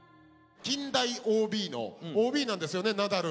近大ＯＢのＯＢなんですよねナダル。